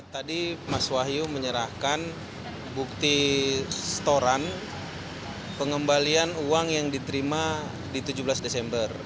tadi mas wahyu menyerahkan bukti setoran pengembalian uang yang diterima di tujuh belas desember